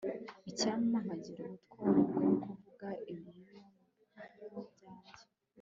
icyampa nkagira ubutwari bwo kuvuga ibyiyumvo byanjye